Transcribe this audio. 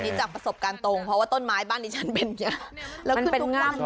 นี่จากประสบการณ์ตรงเพราะว่าต้นไม้บ้านดิฉันเป็นอย่างนี้